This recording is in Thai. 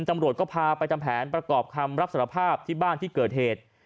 ตำรวจก็พาไปทำแผนประกอบคำรับสารภาพที่บ้านที่เกิดเหตุ